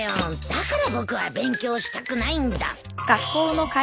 だから僕は勉強したくないんだ。